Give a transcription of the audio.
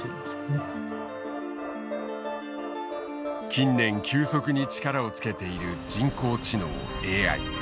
近年急速に力を付けている人工知能ＡＩ。